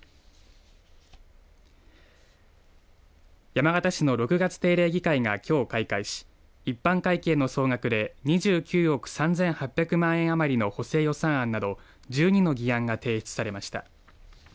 山形市の６月定例議会がきょう開会し一般会計の総額で２９億３８００万円余りの補正予算案など１２の議案が提出されました。